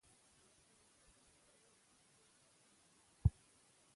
د مصطکي د خولې د خوشبو لپاره وکاروئ